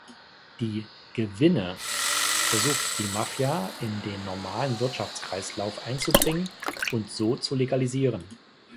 Die „Gewinne“ versucht die Mafia in den normalen Wirtschaftskreislauf einzubringen und so zu legalisieren.